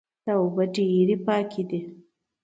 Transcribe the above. دا اوبه ډېرې پاکې دي